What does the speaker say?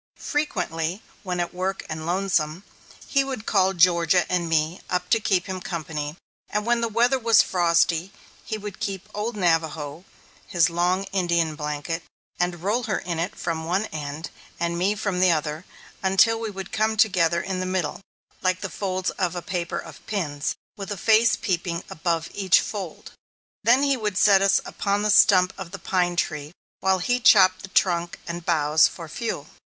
Frequently, when at work and lonesome, he would call Georgia and me up to keep him company, and when the weather was frosty, he would bring "Old Navajo," his long Indian blanket, and roll her in it from one end, and me from the other, until we would come together in the middle, like the folds of a paper of pins, with a face peeping above each fold. Then he would set us upon the stump of the pine tree while he chopped the trunk and boughs for fuel.